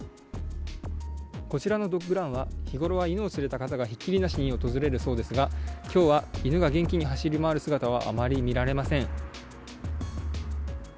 こちらのドッグランは日ごろは犬を連れた方がひっきりなしに訪れるそうですが今日は、犬が元気に走り回る姿はあまり見られません。